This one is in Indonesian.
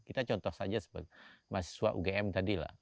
kita contoh saja sebagai mahasiswa ugm tadi lah